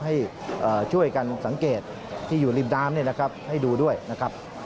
ให้ช่วยกันสังเกตที่อยู่ริมดามนี่นะครับให้ดูด้วยนะครับ